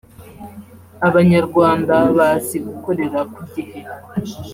Abanyarwanda bazi gukorera ku gihe